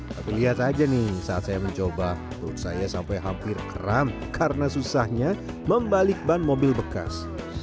tapi lihat aja nih saat saya mencoba perut saya sampai hampir kram karena susahnya membalik ban mobil bekas